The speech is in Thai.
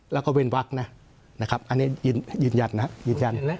แล้วก็เว้นวักนะครับอันนี้ยืนยันนะครับ